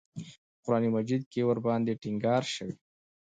په قران مجید کې ورباندې ټینګار شوی.